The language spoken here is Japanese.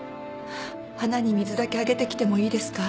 花に水だけあげてきてもいいですか？